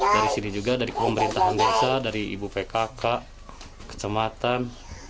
dari sini juga dari pemerintahan desa dari ibu pkk kecamatan